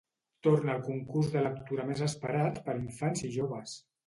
Torna el concurs de lectura més esperat per infants i joves!